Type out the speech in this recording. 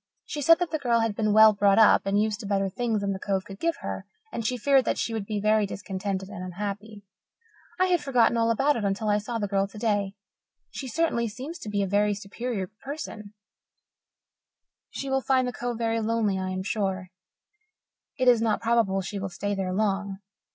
She said that the girl had been well brought up and used to better things than the Cove could give her, and she feared that she would be very discontented and unhappy. I had forgotten all about it until I saw the girl today. She certainly seems to be a very superior person; she will find the Cove very lonely, I am sure. It is not probable she will stay there long.